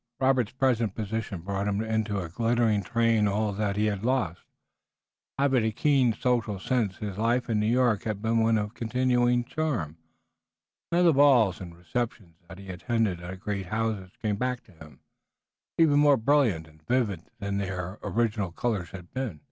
Robert's present position brought to him in a glittering train all that he had lost. Having a keen social sense his life in New York had been one of continuing charm. Now the balls and receptions that he had attended at great houses came back to him, even more brilliant and vivid than their original colors had been.